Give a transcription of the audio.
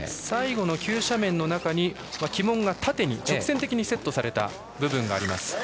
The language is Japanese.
最後の急斜面の中に旗門が縦に直線的にセットされた部分があります。